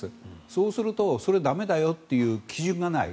そうするとそれは駄目だよという基準がない。